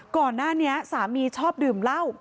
ก่อนหน้านี้สามีชอบดื่มเหล้า